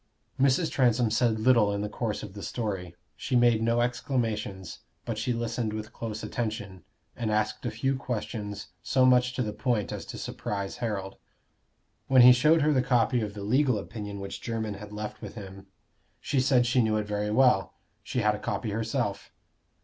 Mrs. Transome said little in the course of the story: she made no exclamations, but she listened with close attention, and asked a few questions so much to the point as to surprise Harold. When he showed her the copy of the legal opinion which Jermyn had left with him, she said she knew it very well; she had a copy herself.